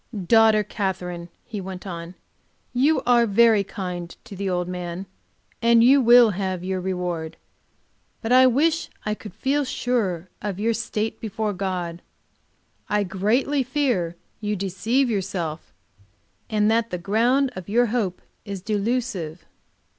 "Daughter Katherine," he went on, "you are very kind to the old man, and you will have your reward. But I wish I could feel sure of your state before God. I greatly fear you deceive yourself, and that the ground of your hope is delusive."